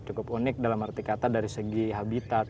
cukup unik dalam arti kata dari segi habitat